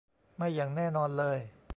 ไม่อย่างแน่นอนเลย